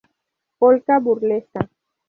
Polka burlesca.